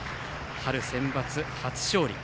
春センバツ、初勝利。